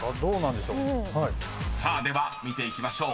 ［さあでは見ていきましょう。